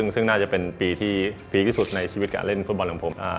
ซึ่งน่าจะเป็นปีที่พีคที่สุดในชีวิตการเล่นฟุตบอลของผม